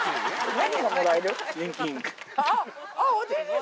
何がもらえる？